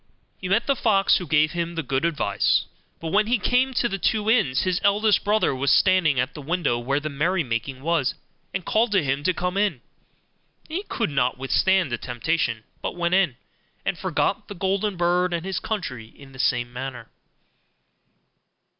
He met the fox, who gave him the good advice: but when he came to the two inns, his eldest brother was standing at the window where the merrymaking was, and called to him to come in; and he could not withstand the temptation, but went in, and forgot the golden bird and his country in the same manner.